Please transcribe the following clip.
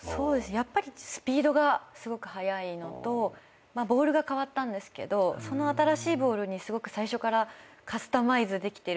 やっぱりスピードがすごく速いのとボールがかわったんですけどその新しいボールにすごく最初からカスタマイズできてる。